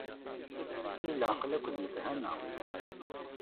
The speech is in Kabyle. Efk-iyi leɛqel akked lefhama.